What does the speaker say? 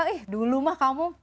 eh dulu mah kamu